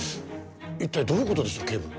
一体どういう事でしょう警部。